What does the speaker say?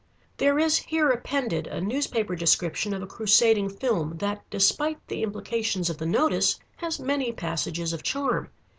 There is here appended a newspaper description of a crusading film, that, despite the implications of the notice, has many passages of charm.